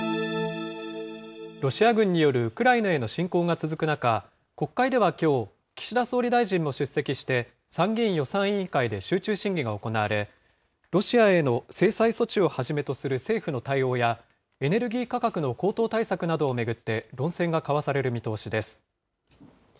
ロシア軍によるウクライナへの侵攻が続く中、国会ではきょう、岸田総理大臣も出席して参議院予算委員会で集中審議が行われ、ロシアへの制裁措置をはじめとする政府の対応や、エネルギー価格の高騰対策などを巡って論戦が交わされる見通しです。